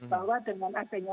bahwa dengan asetnya